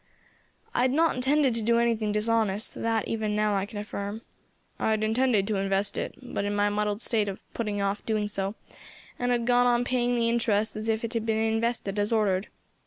"I had not intended to do anything dishonest, that even now I can affirm. I had intended to invest it, but in my muddled state put off doing so, and had gone on paying the interest as if it had been invested as ordered.